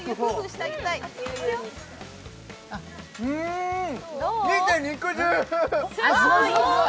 うーん、見て、肉汁。